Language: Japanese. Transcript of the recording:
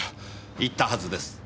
言ったはずです。